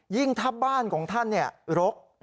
ยิ่งถ้าบ้านของท่านรก